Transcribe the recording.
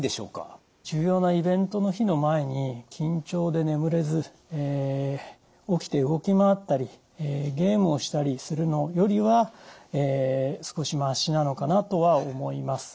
重要なイベントの日の前に緊張で眠れず起きて動き回ったりゲームをしたりするのよりは少しましなのかなとは思います。